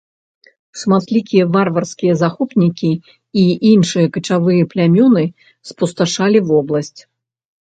Шматлікія варварскія захопнікі і іншыя качавыя плямёны спусташалі вобласць.